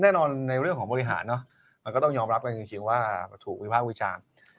แน่นอนในเรื่องของบริหารเนอะมันก็ต้องยอมรับกันจริงว่าถูกวิภาควิจารณ์